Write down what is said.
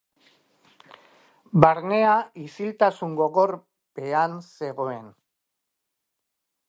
Barnea ixiltasun gogor pean zegoen.